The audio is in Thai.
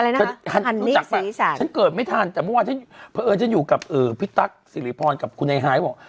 อะไรนะฮะหันนี้สิ้นฉันเกิดไม่ทันแต่เมื่อว่าฉันอยู่กับพี่ตั๊กศิริพรกับคุณไอ้หาย